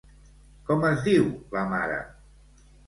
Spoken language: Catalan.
Com es diu la mare?